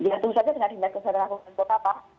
ya tentu saja dengan di medicine dan akunan kota pak